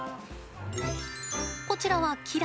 こちらはキラ。